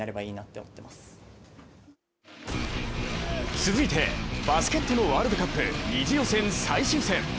続いて、バスケットのワールドカップ２次予選最終戦。